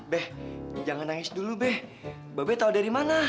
be jangan nangis dulu be mbak be tau dari mana